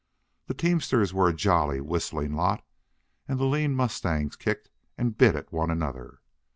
The teamsters were a jolly, whistling lot. And the lean mustangs kicked and bit at one another.